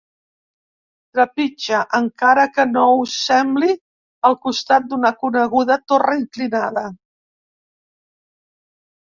Trepitja, encara que no ho sembli, al costat d'una coneguda torre inclinada.